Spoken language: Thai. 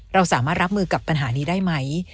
เราสามารถรับมือกับปัญหานี้ได้ไหม